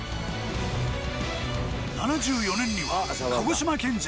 ７４年には鹿児島県勢